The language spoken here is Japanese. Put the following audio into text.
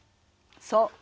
そう。